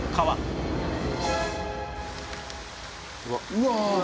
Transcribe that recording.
うわ！